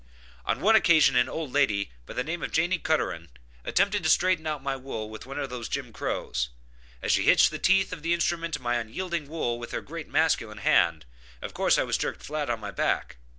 On one occasion an old lady, by the name of Janney Cuteron, attempted to straighten out my wool with one of those Jim crows; as she hitched the teeth of the instrument in my unyielding wool with her great masculine hand, of course I was jerked flat on my back.